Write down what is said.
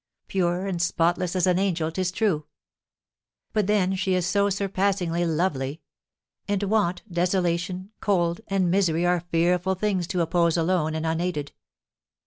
pure and spotless as an angel, 'tis true. But then she is so surpassingly lovely; and want, desolation, cold, and misery are fearful things to oppose alone and unaided.